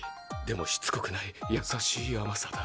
でもしつこくない優しい甘さだ。